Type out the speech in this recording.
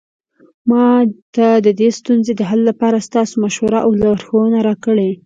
ما ته د دې ستونزې د حل لپاره تاسو مشوره او لارښوونه راکړئ